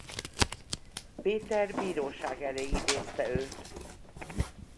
Péter bíróság elé idézte őt.